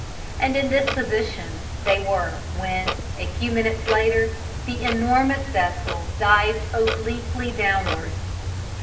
And in this position they were when, a few minutes later, the enormous vessel dived obliquely downwards.